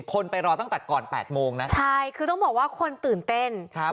คนไปรอตั้งแต่ก่อนแปดโมงนะใช่คือต้องบอกว่าคนตื่นเต้นครับ